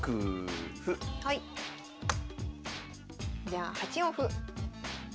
じゃあ８四歩。